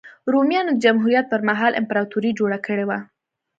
رومیانو د جمهوریت پرمهال امپراتوري جوړه کړې وه.